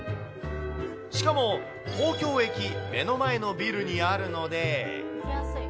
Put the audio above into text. しかも東京駅目の前のビルにあるので。